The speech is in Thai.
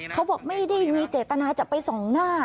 เขาบอกไม่ได้มีเจตนาจะไปส่องหน้า